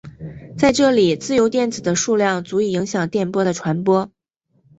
在这里自由电子的数量足以影响电波的传播。